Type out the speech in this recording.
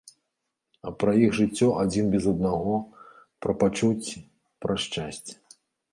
А пра іх жыццё адзін без аднаго, пра пачуцці, пра шчасце.